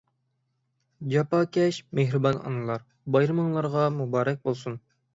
جاپاكەش، مېھرىبان ئانىلار، بايرىمىڭلارغا مۇبارەك بولسۇن!